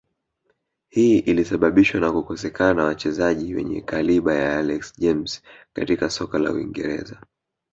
Hii ilisababishwa na kukosekana wachezai wenye kaliba ya Alex James katika soka la uingereza